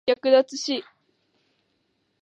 略奪し、凌辱したのちに留置される。